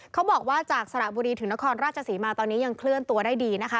เขาบอกว่าจากสระบุรีถึงนครราชศรีมาตอนนี้ยังเคลื่อนตัวได้ดีนะคะ